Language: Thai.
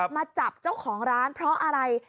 มาจับเจ้าของร้านเพราะอะไร